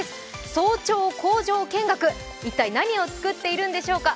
早朝工場見学一体何を作っているんでしょうか。